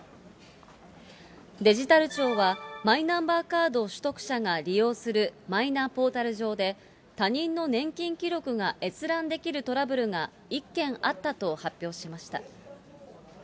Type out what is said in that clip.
デジタル庁は、マイナンバーカード取得者が利用するマイナポータル上で、他人の年金記録が閲覧できるトラブルが、１件あったと発表しました。